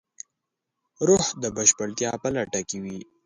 روح د بشپړتیا په لټه کې وي.